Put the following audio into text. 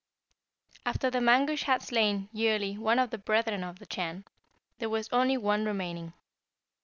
"After the Mangusch had slain, yearly, one of the brethren of the Chan, there was only one remaining.